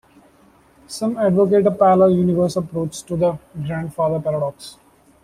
Some advocate a parallel universe approach to the grandfather paradox.